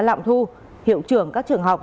lạm thu hiệu trưởng các trường học